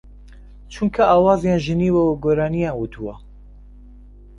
چونکە ئاوازیان ژەنیوە و گۆرانییان وتووە